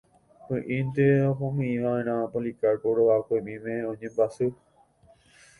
Py'ỹinte ohómiva'erã Policarpo rogakuemíme oñembyasy.